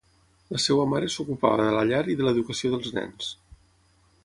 La seva mare s'ocupava de la llar i de l'educació dels nens.